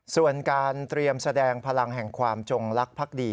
ส่วนการเตรียมแสดงพลังแห่งความจงลักษ์ดี